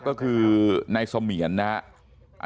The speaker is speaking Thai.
ก็คือในสมเหยียนนะครับ